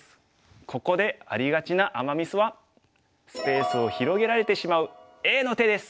ここでありがちなアマ・ミスはスペースを広げられてしまうＡの手です。